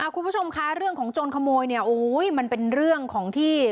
คุณผู้ชมคะเรื่องของโจรขโมยเนี่ยโอ้ยมันเป็นเรื่องของที่